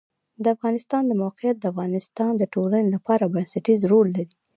د افغانستان د موقعیت د افغانستان د ټولنې لپاره بنسټيز رول لري.